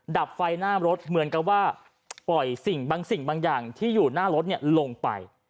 ดับไฟหน้ารถเหมือนกับว่าปล่อยสิ่งบางสิ่งบางอย่างที่อยู่หน้ารถลงไป